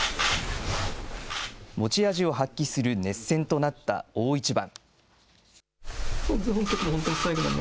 持ち味を発揮する熱戦となった大一番。